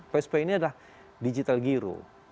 facebook ini adalah digital giro